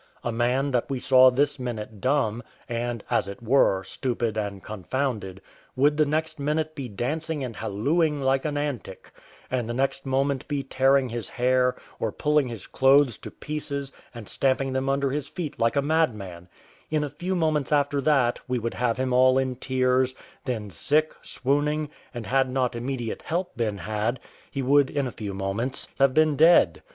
A man that we saw this minute dumb, and, as it were, stupid and confounded, would the next minute be dancing and hallooing like an antic; and the next moment be tearing his hair, or pulling his clothes to pieces, and stamping them under his feet like a madman; in a few moments after that we would have him all in tears, then sick, swooning, and, had not immediate help been had, he would in a few moments have been dead.